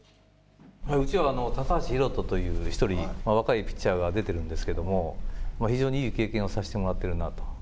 うちは高橋宏斗という１人、若いピッチャーが出てるんですけども、非常にいい経験をさせてもらってるなと。